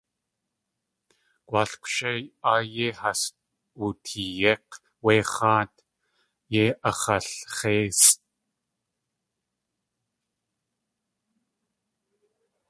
Gu.aal kwshé áa yéi has wuteeyík̲ wé x̲áat, yéi ax̲alx̲éisʼ.